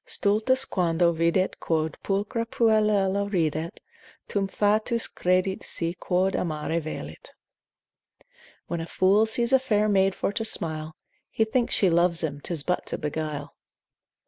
Stultus quando videt quod pulchra puellula ridet, Tum fatuus credit se quod amare velit: When a fool sees a fair maid for to smile, He thinks she loves him, 'tis but to beguile.